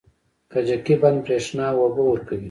کجکي بند بریښنا او اوبه ورکوي